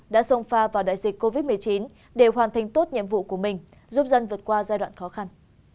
đã xông pha vào đại dịch covid một mươi chín để hoàn thành tốt nhiệm vụ của mình giúp dân vượt qua giai đoạn khó khăn